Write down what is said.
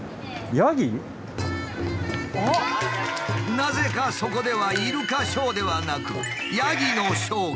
なぜかそこではイルカショーではなくヤギのショーが。